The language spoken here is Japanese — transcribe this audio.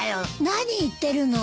何言ってるの。